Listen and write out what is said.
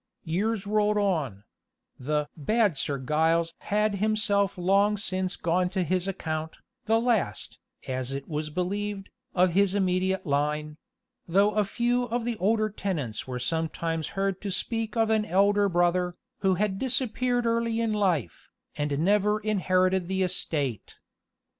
Years rolled on: the "Bad Sir Giles" had himself long since gone to his account, the last, as it was believed, of his immediate line; though a few of the older tenants were sometimes heard to speak of an elder brother, who had disappeared in early life, and never inherited the estate.